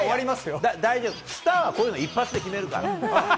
大丈夫、スターはこういうの、一発で決めるから。